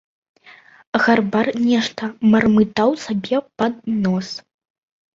Гарбар нешта мармытаў сабе под нос.